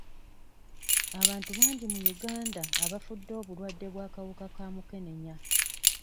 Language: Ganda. Abantu bangi mu Uganda abafudde obulwadde bw'akawuka ka mukenenya.